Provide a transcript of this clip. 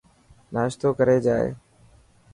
ناشتوي ڪري جائي.